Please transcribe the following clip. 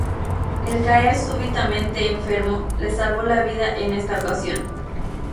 El caer súbitamente enfermo, le salvó la vida en esta ocasión.